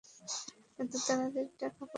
এত তাড়াতাড়ি টাকা পাব কী করে?